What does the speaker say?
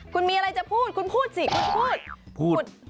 คุณมีอะไรจะพูดคุณพูดสิคุณพูดพูด